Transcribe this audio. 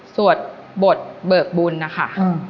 สวดบทเบิกบุญนะคะ